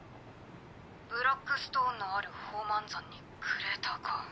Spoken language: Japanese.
ブラックストーンのある宝満山にクレーターか。